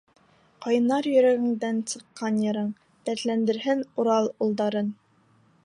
Ҡайнар йөрәгеңдән сыҡҡан йырың Дәртләндерһен Урал улдарын...